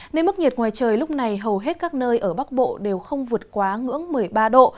nên mức nhiệt ngoài trời lúc này hầu hết các nơi ở bắc bộ đều không vượt quá ngưỡng một mươi ba độ